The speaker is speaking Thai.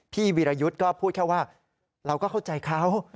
วีรยุทธ์ก็พูดแค่ว่าเราก็เข้าใจเขา